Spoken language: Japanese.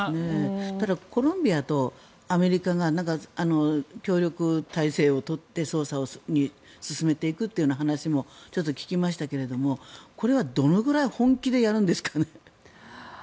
ただ、コロンビアとアメリカが協力体制をとって捜査を進めていくという話も聞きましたけどもこれはどのくらい本気でやるんですかね？